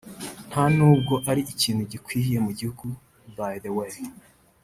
nta n’ubwo ari ikintu gikwiye mu gihugu by the way